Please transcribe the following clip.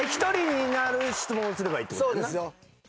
そうですよ。